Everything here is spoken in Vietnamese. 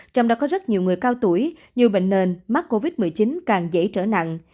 trong đó có rất nhiều người cao tuổi như bệnh nền mắc covid một mươi chín càng dễ trở nặng